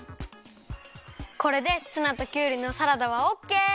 これでツナときゅうりのサラダはオッケー！